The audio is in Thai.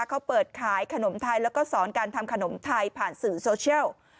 เขาเปิดขายขนมไทยแล้วก็สอนการทำขนมไทยผ่านสื่อโซเชียล